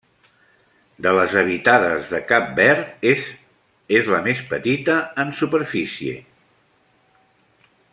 De les habitades de Cap Verd, est és la més petita en superfície.